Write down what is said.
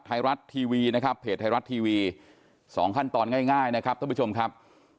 ไทรัตร์ทีวีส่งขั้นตอนง่ายนะครับท่านผู้ชมครับ